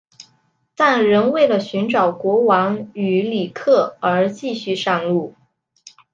但仍为了寻找国王与里克而继续上路。